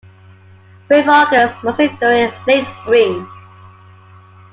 Rainfall occurs mostly during late spring.